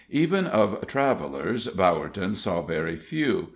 Even of travelers Bowerton saw very few.